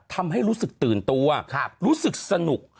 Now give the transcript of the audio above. ทำให้รู้สึกตื่นตัวรู้สึกสนุก